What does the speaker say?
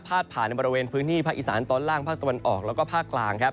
ผ่านในบริเวณพื้นที่ภาคอีสานตอนล่างภาคตะวันออกแล้วก็ภาคกลางครับ